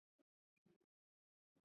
他最出色的作品是艺术歌曲。